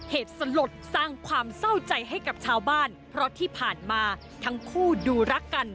เหตุสลดสร้างความเศร้าใจให้กับชาวบ้านเพราะที่ผ่านมาทั้งคู่ดูรักกัน